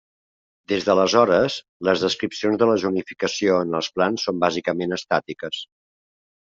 Des d'aleshores, les descripcions de la zonificació en els plans són bàsicament estàtiques.